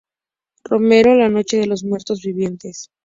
Romero "La noche de los muertos vivientes".